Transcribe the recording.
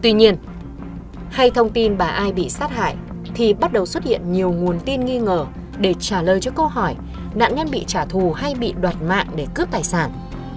tuy nhiên hay thông tin bà ai bị sát hại thì bắt đầu xuất hiện nhiều nguồn tin nghi ngờ để trả lời cho câu hỏi nạn nhân bị trả thù hay bị đoạt mạng để cướp tài sản